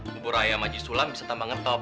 buburaya maji sulam bisa tambah ngetop